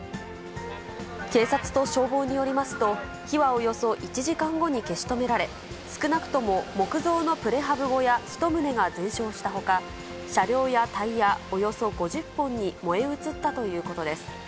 警察と消防によりますと、火はおよそ１時間後に消し止められ、少なくとも木造のプレハブ小屋１棟が全焼したほか、車両やタイヤおよそ５０本に燃え移ったということです。